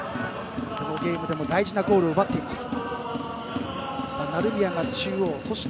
このゲームでも大事なゴールを奪っています。